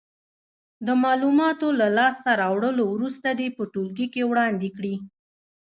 د معلوماتو له لاس ته راوړلو وروسته دې په ټولګي کې وړاندې کړې.